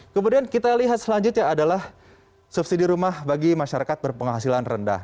kemudian kita lihat selanjutnya adalah subsidi rumah bagi masyarakat berpenghasilan rendah